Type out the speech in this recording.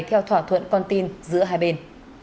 theo thỏa thuận con tin giữa hai bên